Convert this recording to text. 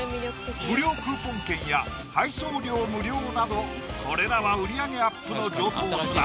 無料クーポン券や配送料無料などこれらは売り上げアップの常套手段